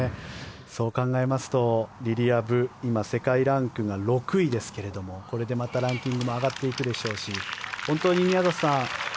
そう考えますと、リリア・ブ今、世界ランクが６位ですがこれでまたランキングも上がっていくでしょうし宮里さん